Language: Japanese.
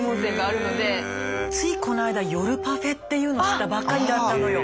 ついこないだ夜パフェっていうのを知ったばっかりだったのよ。